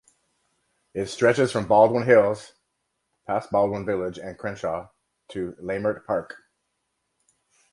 It stretches from Baldwin Hills (past Baldwin Village and Crenshaw) to Leimert Park.